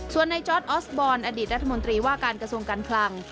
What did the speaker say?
ส่วนในจอร์ดออสบอลอดีตรัฐมนตรีว่าการกระทรวงการคลัง